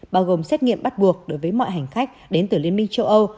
bao gồm xét nghiệm bắt buộc đối với mọi hành khách đến từ liên minh châu âu